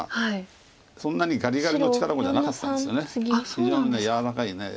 非常に柔らかい。